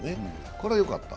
これはよかった。